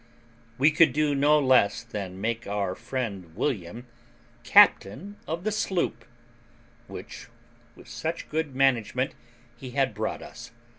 We could do no less than make our friend William captain of the sloop which, with such good management, he had brought us.